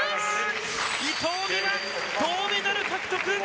伊藤美誠、銅メダル獲得！